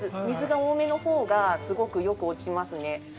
水が多めのほうがすごくよろしく落ちますね。